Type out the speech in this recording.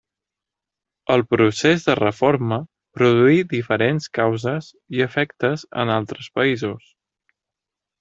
El procés de reforma produí diferents causes i efectes en altres països.